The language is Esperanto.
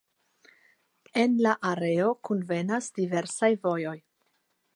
En la areo kunvenas diversaj vojoj.